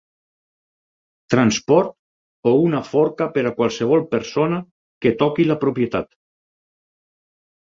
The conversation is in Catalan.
Transport o una forca per a qualsevol persona que toqui la propietat!